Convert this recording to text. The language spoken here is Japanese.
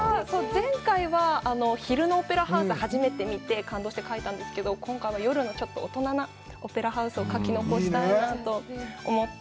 前回は昼のオペラハウス、初めて見て感動して描いたんですけど、今回は夜の、ちょっと大人なオペラハウスを描き残したいなと思って。